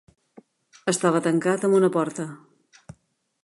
Estava tancat amb una porta.